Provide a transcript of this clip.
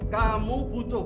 kamu butuh bukti